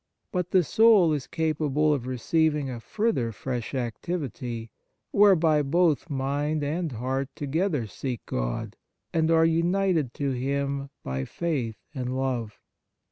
But the soul is capable of receiving a further fresh activity, whereby both mind and 27 On Piety heart together seek God, and are united to Him by faith and love.